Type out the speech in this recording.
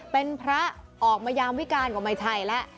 เป็นพระออกมายามวิการก็ไม่ใช่แล้ว